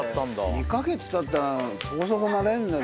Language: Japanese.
２か月たったらそこそこなれるんだけど。